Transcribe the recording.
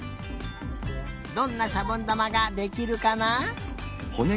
どんなしゃぼんだまができるかな？